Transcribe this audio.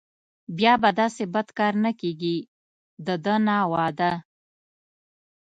بیا به داسې بد کار نه کېږي دده نه وعده.